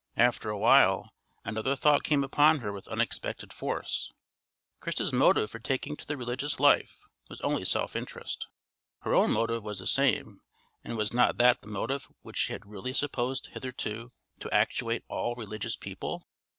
After a while another thought came upon her with unexpected force. Christa's motive for taking to the religious life was only self interest; her own motive was the same; and was not that the motive which she really supposed hitherto to actuate all religious people?